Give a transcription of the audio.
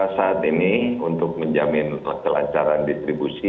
saat ini untuk menjamin kelancaran distribusi